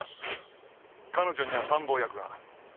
彼女には参謀役が。